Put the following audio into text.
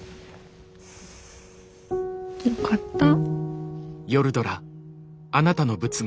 よかった。